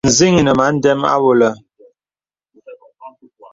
Nzìn̄ inə mə a ndəm àwɔlə.